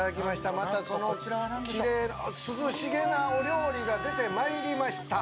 またきれいな涼しげなお料理が出てまいりました。